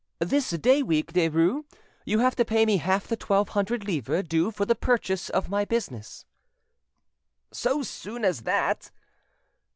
"This day week, Derues, you have to pay me half the twelve hundred livres due for the purchase of my business." "So soon as that?"